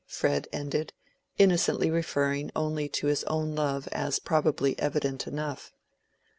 Fred ended, innocently referring only to his own love as probably evident enough.